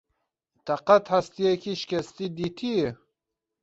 Te qet hestiyekî şikesti dîtiyî?